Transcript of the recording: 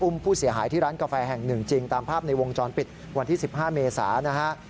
ผู้เสียหายที่ร้านกาแฟแห่งหนึ่งจริงตามภาพในวงจรปิดวันที่๑๕เมษานะฮะ